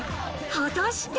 果たして？